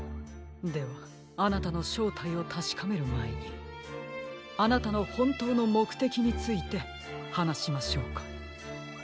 ではあなたのしょうたいをたしかめるまえにあなたのほんとうのもくてきについてはなしましょうか？